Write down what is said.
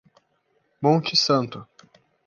Monte Santo